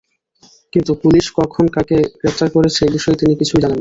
কিন্তু পুলিশ কখন, কাকে গ্রেপ্তার করেছে—এ বিষয়ে তিনি কিছুই জানেন না।